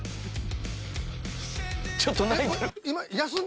ちょっと泣いてる！